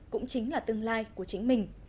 cũng chính là tương lai của chính mình